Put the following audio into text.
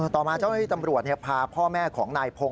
ต่อมาเจ้าหน้าที่ตำรวจพาพ่อแม่ของนายพงศ